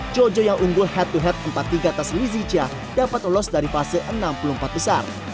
jojo yang unggul head to head empat tiga atas lizia dapat lolos dari fase enam puluh empat besar